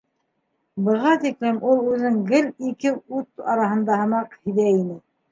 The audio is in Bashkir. Быға тиклем ул үҙен гел ике ут араһында һымаҡ һиҙә ине.